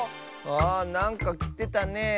あなんかきてたねえ。